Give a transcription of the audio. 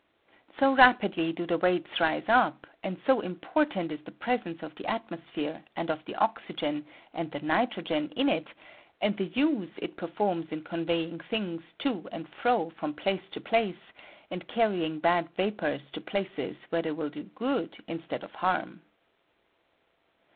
So rapidly do the weights rise up, and so important is the presence of the atmosphere, and of the oxygen and the nitrogen in it, and the use it performs in conveying things to and fro from place to place, and carrying bad va pors to places where they will do good instead of harm.